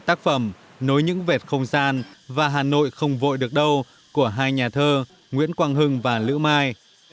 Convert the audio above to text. tác phẩm nối những vẹt không gian và hà nội không vội được đâu của hai nhà thơ nguyễn quang hưng và lữ mai